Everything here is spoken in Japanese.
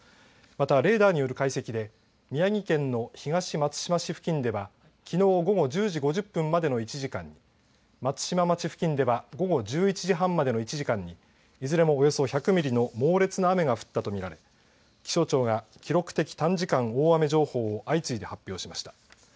また、レーダーによる解析で宮城県の東松島市付近ではきのう午後１０時５０分までの１時間に松島町付近では午後１１時半までの１時間にいずれもおよそ１００ミリの猛烈な雨が降ったと見られ気象庁は記録的短時間大雨情報を相次いで発表しました。